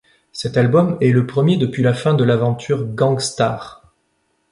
Cet album est le premier depuis la fin de l'aventure Gang Starr.